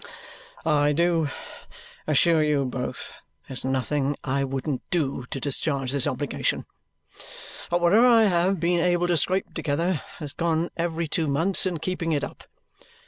"I do assure you both, there's nothing I wouldn't do to discharge this obligation. But whatever I have been able to scrape together has gone every two months in keeping it up.